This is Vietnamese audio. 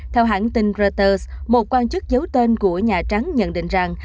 theo hãng tin reuters một quan chức giấu tên của nhà trắng nhận định rằng